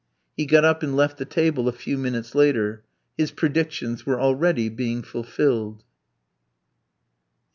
He got up and left the table a few minutes later. His predictions were already being fulfilled.